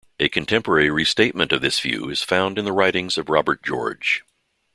A contemporary restatement of this view is found in the writings of Robert George.